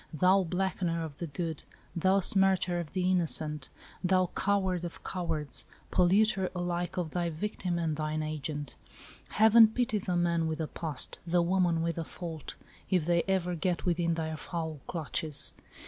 Thou blackener of the good, thou smircher of the innocent, thou coward of cowards, polluter alike of thy victim and thine agent, Heaven pity the man with a past, the woman with a fault, if they ever get within thy foul clutches